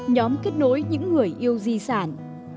nhóm kết nối những người yêu di sản